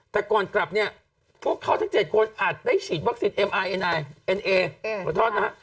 แต่ก่อนกลับเนี่ยพวกเขาทั้ง๗คนอาจได้ฉีดวัคซีนมีนาขอโทษนะฮะ